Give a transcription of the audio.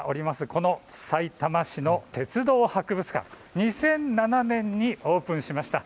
このさいたま市の鉄道博物館、２００７年にオープンしました。